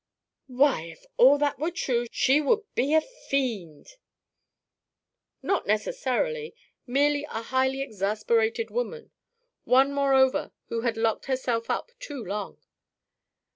"Why, if all that were true, she would be a fiend." "Not necessarily. Merely a highly exasperated woman. One, moreover, who had locked herself up too long.